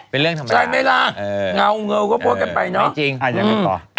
เป็นเรื่องธรรมดางาวเงาก็โพสต์กันไปเนอะอายมันปลอดค่า